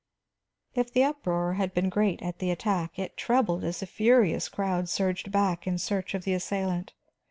If the uproar had been great at the attack, it trebled as the furious crowd surged back in search of the assailant.